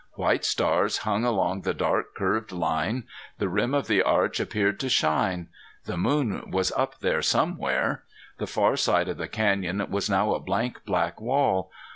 White stars hung along the dark curved line. The rim of the arch appeared to shine. The moon was up there somewhere. The far side of the canyon was now a blank black wall.